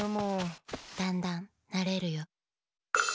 だんだんなれるよ。